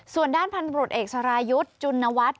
ส่วนด้านพันธุรกิจเอกสรายุทธ์จุณวัฒน์